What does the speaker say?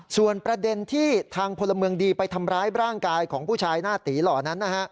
ส่วนประเด็นที่ทางพลเมืองดีไปทำร้ายร่างกายของผู้ชายหน้าตีหล่อนั้นนะฮะ